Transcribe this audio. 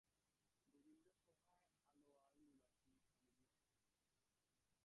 গোবিন্দ সহায় আলোয়ার-নিবাসী স্বামীজীর শিষ্য।